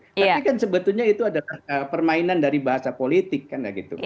tapi kan sebetulnya itu adalah permainan dari bahasa politik kan gitu